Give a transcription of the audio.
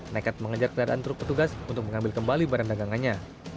nekat mengejar kendaraan truk petugas untuk mengambil kembali barang dagangannya